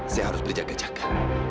saya harus berjaga jaga